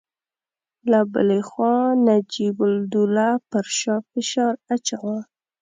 له بلې خوا نجیب الدوله پر شاه فشار اچاوه.